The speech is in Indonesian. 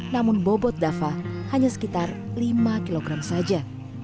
namun bobot dava hanya sekitar lima kilogram saja